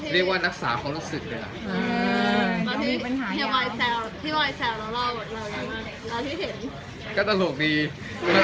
เรียกว่าเหมือนเกงใจเขาอีกนะ